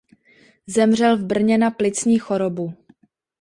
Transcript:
Zemřel v Brně na plicní chorobu.